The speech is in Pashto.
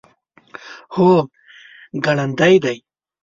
هو، ګړندی دی